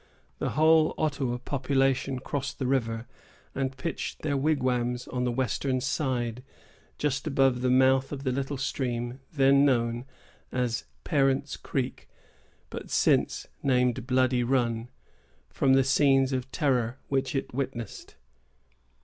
The whole Ottawa population crossed the river, and pitched their wigwams on the western side, just above the mouth of the little stream then known as Parent's Creek, but since named Bloody Run, from the scenes of terror which it witnessed.